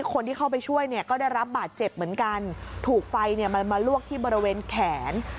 คนที่เข้าไปช่วยเนี่ยก็ได้รับบาดเจ็บเหมือนกันถูกไฟเนี่ยมันมาลวกที่บริเวณแขน